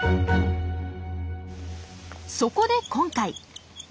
そこで今回。